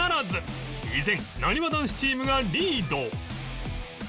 依然なにわ男子チームがリード